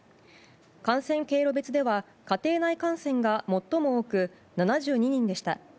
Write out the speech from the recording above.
感染経路別では、家庭内感染が最も多く７２人でした。